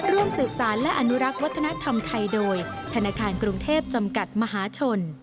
ร่วมสืบสารและอนุรักษ์วัฒนธรรมไทยโดยธนาคารกรุงเทพจำกัดมหาชน